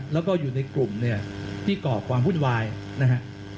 แล้วก็อยู่ในกลุ่มที่เกาะความหุ้นวายนะครับ